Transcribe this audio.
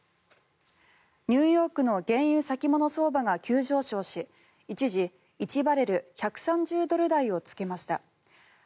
ニューヨークの原油先物相場が急上昇し一時、１バレル＝１３０ドル台をつけました。